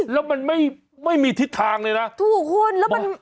แล้วมันไม่ไม่มีทิศทางเลยนะถูกคุณแล้วมัน